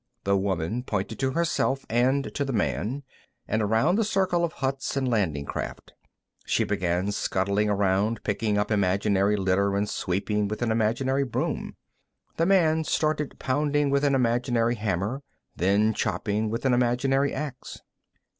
The woman pointed to herself and to the man, and around the circle of huts and landing craft. She began scuttling about, picking up imaginary litter and sweeping with an imaginary broom. The man started pounding with an imaginary hammer, then chopping with an imaginary ax.